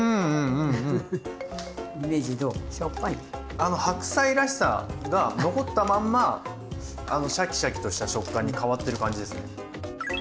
あの白菜らしさが残ったまんまシャキシャキとした食感に変わってる感じですね。